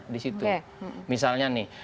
di situ misalnya nih